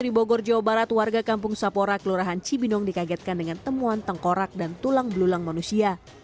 di bogor jawa barat warga kampung sapora kelurahan cibinong dikagetkan dengan temuan tengkorak dan tulang belulang manusia